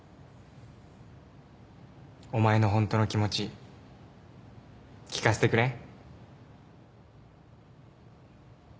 お前のほんとの気持ち聞かせてくれん？